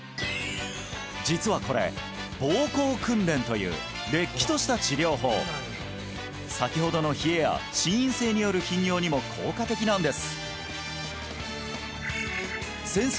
実はこれ膀胱訓練というれっきとした治療法先ほどの冷えや心因性による頻尿にも効果的なんです先生